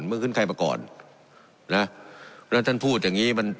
เมื่อขึ้นใครมาก่อนนะแล้วท่านพูดอย่างงี้มัน